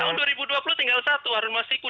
tahun dua ribu dua puluh tinggal satu harun masiku